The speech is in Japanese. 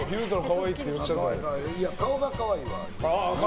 顔が可愛いわ。